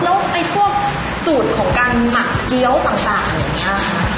แล้วไอ้พวกสูตรของการหมักเกี้ยวต่างอย่างนี้ค่ะ